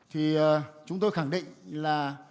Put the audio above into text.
thì chúng tôi khẳng định là